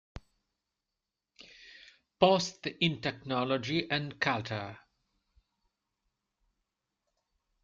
Post in Technology and Culture.